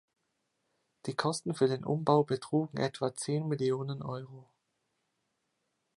Die Kosten für den Umbau betrugen etwa zehn Millionen Euro.